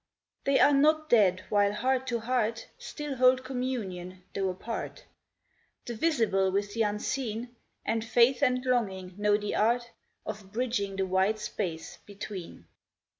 They are not dead while heart to heart Still hold communion though apart, The visible with the unseen, And faith and longing know the art Of bridging the wide space between.